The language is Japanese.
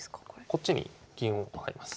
こっちに銀を上がります。